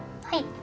はい。